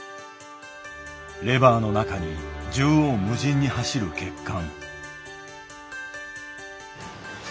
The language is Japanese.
レバーの中に縦横無尽に走る血管。